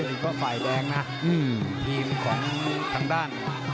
อันนี้ก็ไฟแดงนะทีมของทางด้าน